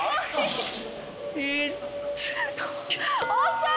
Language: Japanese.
遅い！